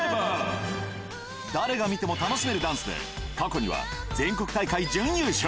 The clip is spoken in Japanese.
誰が見ても楽しめるダンスで過去には全国大会準優勝。